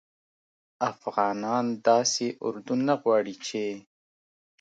افغانان داسي اردو نه غواړي چې